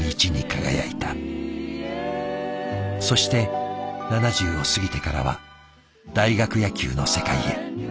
そして７０を過ぎてからは大学野球の世界へ。